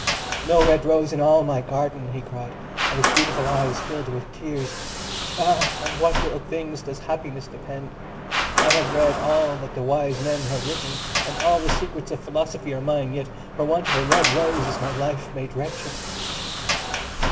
"No red rose in all my garden!" he cried, and his beautiful eyes filled with tears. "Ah, on what little things does happiness depend! I have read all that the wise men have written, and all the secrets of philosophy are mine, yet for want of a red rose is my life made wretched."